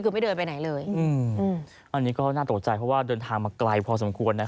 คือไม่เดินไปไหนเลย